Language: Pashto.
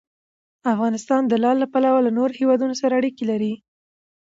افغانستان د لعل له پلوه له نورو هېوادونو سره اړیکې لري.